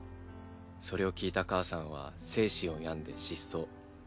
それを聞いた母さんは精神を病んで失踪。